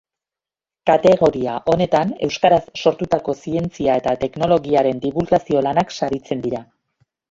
Kategoria honetan, euskaraz sortutako zientzia eta teknologiaren dibulgazio-lanak saritzen dira.